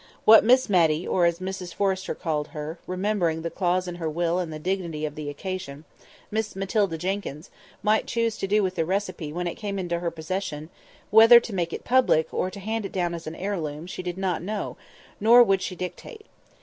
What Miss Matty, or, as Mrs Forrester called her (remembering the clause in her will and the dignity of the occasion), Miss Matilda Jenkyns—might choose to do with the receipt when it came into her possession—whether to make it public, or to hand it down as an heirloom—she did not know, nor would she dictate.